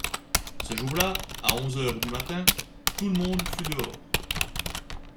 Ce jour-là, à onze heures du matin, tout le monde fut dehors.